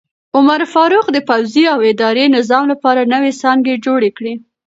عمر فاروق د پوځي او اداري نظام لپاره نوې څانګې جوړې کړې.